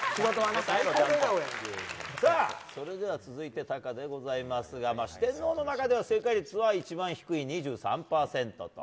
それでは続いてタカでございますが四天王の中では正解率が一番低い２３％と。